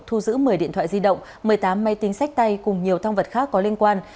thu giữ một mươi điện thoại di động một mươi tám máy tính sách tay cùng nhiều thông vật khác có liên quan